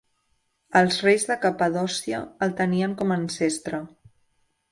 Els reis de Capadòcia el tenien com ancestre.